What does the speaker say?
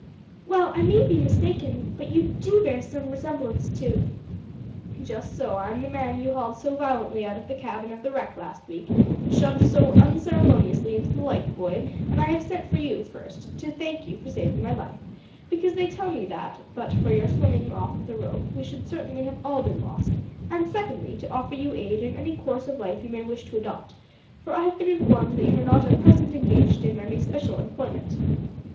"Well I may be mistaken, but you do bear some resemblance to " "Just so, I'm the man that you hauled so violently out of the cabin of the wreck last week, and shoved so unceremoniously into the life buoy, and I have sent for you, first, to thank you for saving my life, because they tell me that, but for your swimming off with a rope, we should certainly have all been lost; and, secondly, to offer you aid in any course of life you may wish to adopt, for I have been informed that you are not at present engaged in any special employment."